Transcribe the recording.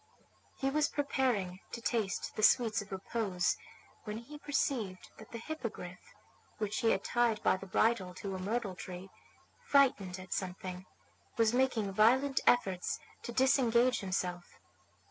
He was preparing to taste the sweets of repose when he perceived that the Hippogriff, which he had tied by the bridle to a myrtle tree, frightened at something, was making violent efforts to disengage himself.